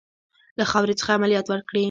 له خاورې څخه عملیات وکړي.